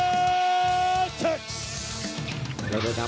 งั้นจากขวัสดีครับทุกคน